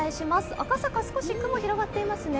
赤坂、少し雲が広がっていますね。